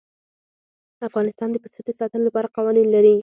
افغانستان د پسه د ساتنې لپاره قوانین لري.